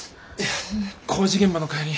工事現場の帰り